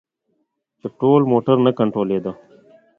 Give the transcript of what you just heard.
چې ټول موټر نه کنترولیده.